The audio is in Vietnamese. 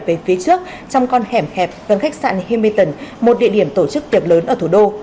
về phía trước trong con hẻm hẹp gần khách sạn himiton một địa điểm tổ chức tiệp lớn ở thủ đô